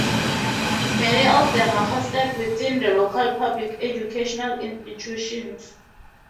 Many of them are hosted within the local public educational institutions.